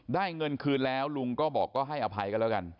เงินคืนแล้วลุงก็บอกก็ให้อภัยกันแล้วกัน